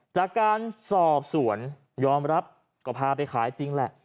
จากการสอบสวนยอมรับก็พาไปขายจริงแหละ